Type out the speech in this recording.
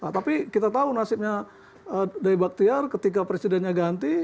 tapi kita tahu nasibnya day baktiar ketika presidennya ganti